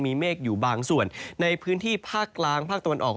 มีเมฆอยู่บางส่วนในพื้นที่ภาคกลางภาคตะวันออก